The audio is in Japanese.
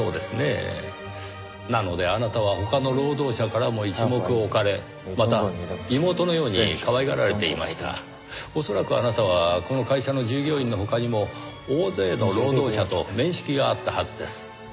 なのであなたは他の労働者からも一目置かれまた妹のようにかわいがられていました。恐らくあなたはこの会社の従業員の他にも大勢の労働者と面識があったはずです。